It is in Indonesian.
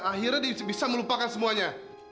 akhirnya bisa melupakan semuanya